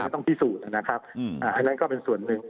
ต้องพิสูจน์นะครับอันนั้นก็เป็นส่วนหนึ่ง